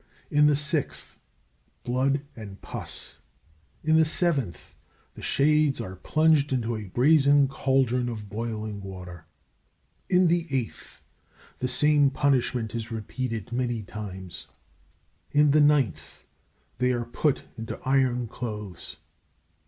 In the sixth, blood and pus. In the seventh, the shades are plunged into a brazen cauldron (of boiling water). In the eighth, the same punishment is repeated many times. In the ninth, they are put into iron clothes.